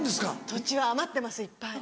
土地は余ってますいっぱい。